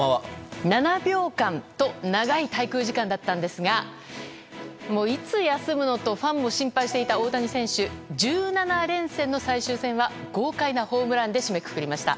７秒間と長い滞空時間だったんですがいつ休むの？とファンも心配していた大谷選手１７連戦の最終戦は豪快なホームランで締めくくりました。